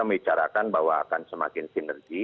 membicarakan bahwa akan semakin sinergi